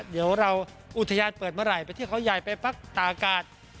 เดี๋ยวอุทยานเปิดเมื่อไหร่ไปเที่ยวขาวใหญ่ไปปักตากาส